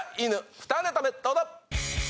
２ネタ目どうぞ！